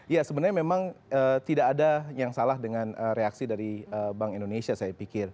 ya sebenarnya memang tidak ada yang salah dengan reaksi dari bank indonesia saya pikir